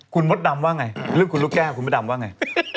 คุณมดดำว่าไงเรื่องคุณลูกแก้วคุณมดดำว่าไง